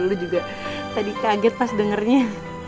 lu juga tadi kaget mas dengernya